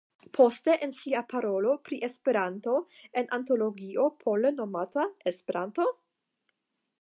Poste en sia parolo pri Esperanto en antologio pole nomata "Esperanto?